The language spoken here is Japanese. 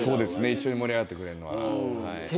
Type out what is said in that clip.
一緒に盛り上がってくれんのは。